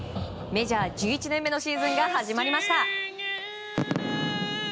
メジャー１１年目のシーズンが始まりました。